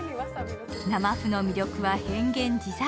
生麩の魅力は変幻自在。